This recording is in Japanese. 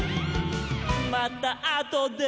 「またあとで」